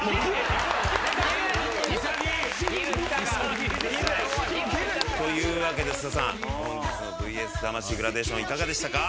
潔い！というわけで菅田さん本日の『ＶＳ魂』グラデーションいかがでしたか？